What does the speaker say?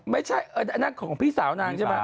ไม่ใช่แล้วแต่นั่นของพี่สาวน้ำใช่ไหม